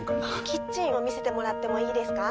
キッチンを見せてもらってもいいですか？